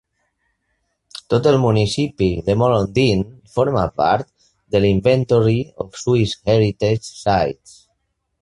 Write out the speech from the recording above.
Tot el municipi de Molondin forma part de l"Inventory of Swiss Heritage Sites.